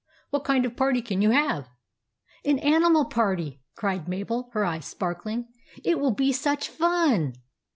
" What kind of a party can you have ?"" An animal party !" cried Mabel, her eyes sparkling. " It will be such fun